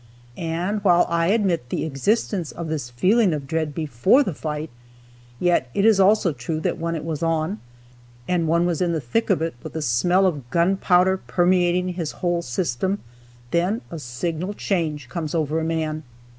And while I admit the existence of this feeling of dread before the fight, yet it is also true that when it was on, and one was in the thick of it, with the smell of gun powder permeating his whole system, then a signal change comes over a man.